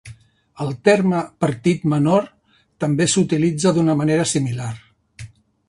El terme "partit menor" també s'utilitza d'una manera similar.